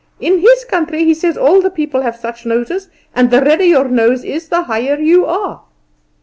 In his country he says all the people have such noses, and the redder your nose is the higher you are.